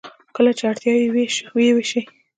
کله چې اړتیا وي و یې ویشي.